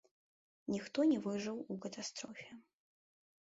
Ніхто не выжыў у катастрофе.